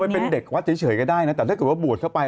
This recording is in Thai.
ประกวดอะไร